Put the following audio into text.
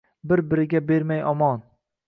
Bir-biriga bermay omon